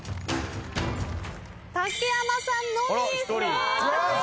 竹山さんのみ正解。